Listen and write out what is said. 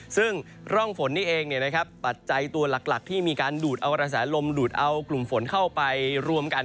ซึ่งร่องฝนนี่เองปัจจัยตัวหลักที่มีการดูดเอากระแสลมดูดเอากลุ่มฝนเข้าไปรวมกัน